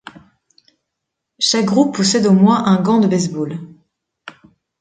Chaque groupe possède au moins un gant de base-ball.